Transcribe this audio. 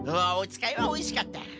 あおつかいはおいしかった。